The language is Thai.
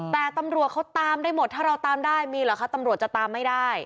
แต่ตำรวจเขาตามได้หมดถ้าเราตามได้มีเหรอคะตำรวจจะตามไม่ได้